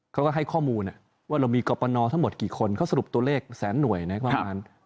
เขาก็ให้ข้อมูลว่าเรามีกรปนทั้งหมดกี่คนเขาสรุปตัวเลขแสนหน่วยนะครับประมาณ